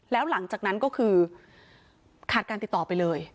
แล้วหลังจากนั้นก็คือขาดการติดต่อไปเลย